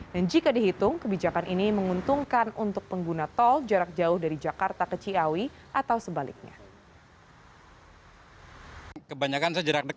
dan jika dihitung kebijakan ini menguntungkan untuk pengguna tol jarak jauh dari jakarta ke ciawi atau sebaliknya